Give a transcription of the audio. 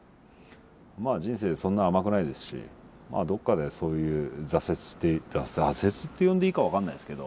まあ人生そんな甘くないですしどっかでそういう挫折挫折って呼んでいいか分かんないですけど。